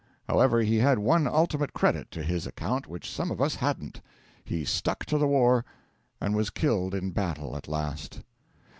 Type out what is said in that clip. However, he had one ultimate credit to his account which some of us hadn't: he stuck to the war, and was killed in battle at last.